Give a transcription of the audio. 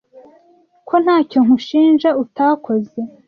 Ko ntacyo nkushinja utakoze